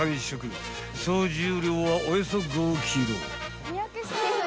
［総重量はおよそ５ｋｇ］